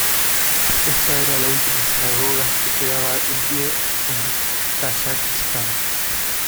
Esta era la última sinagoga que quedaba en pie en Tayikistán.